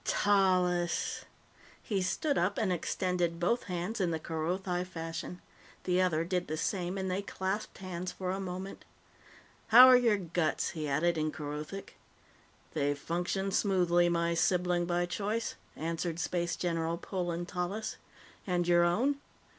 "Tallis!" He stood up and extended both hands in the Kerothi fashion. The other did the same, and they clasped hands for a moment. "How are your guts?" he added in Kerothic. "They function smoothly, my sibling by choice," answered Space General Polan Tallis. "And your own?"